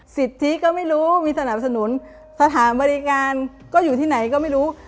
สิทธิก็ไม่รู้มีสนับสนุนสถานบริการก็อยู่ที่ไหนก็ไม่รู้